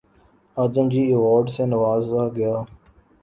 آدم جی award سے نوازا گیا